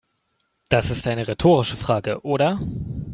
Das ist eine rhetorische Frage, oder?